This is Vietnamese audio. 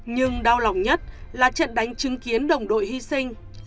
nhưng đau lòng nhất là trận đánh chứng kiến đồng đội hy sinh